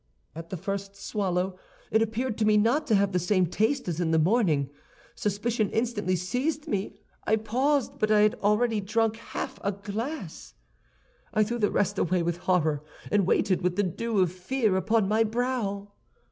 "At the first swallow, it appeared to me not to have the same taste as in the morning. Suspicion instantly seized me. I paused, but I had already drunk half a glass. "I threw the rest away with horror, and waited, with the dew of fear upon my brow.